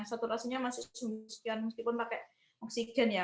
saturasinya masih sekian meskipun pakai oksigen ya